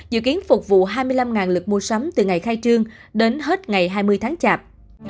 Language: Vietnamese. dự kiến phục vụ hai mươi năm lực mua sắm từ ngày khai trương đến hết ngày hai mươi tháng chạp